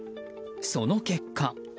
その結果。